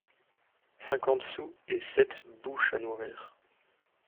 Cinquante sous, et sept bouches à nourrir!